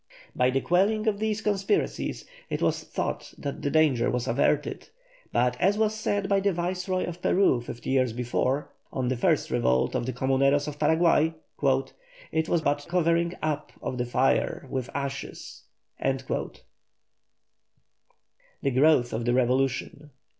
By the quelling of these conspiracies it was thought that the danger was averted, but as was said by the Viceroy of Peru fifty years before, on the first revolt of the Comuneros of Paraguay, "it was but a covering up of the fire with ashes." THE GROWTH OF THE REVOLUTION.